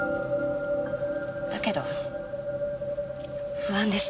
だけど不安でした。